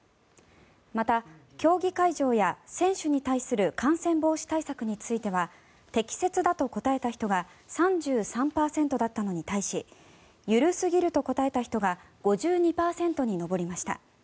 また、競技会場や選手に対する感染防止対策については適切だと答えた人が３３％だったのに対し緩すぎると答えた人が５２％に上りました。